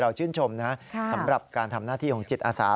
ชื่นชมนะสำหรับการทำหน้าที่ของจิตอาสา